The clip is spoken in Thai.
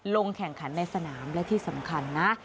ลงแข่งขันในสนามและที่สำคัญนะ